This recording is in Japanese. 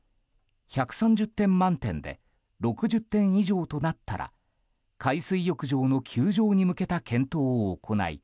１３０点満点で６０点以上となったら海水浴場の休場に向けた検討を行い